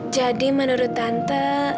jadi menurut tante